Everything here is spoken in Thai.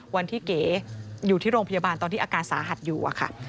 เก๋อยู่ที่โรงพยาบาลตอนที่อาการสาหัสอยู่อะค่ะ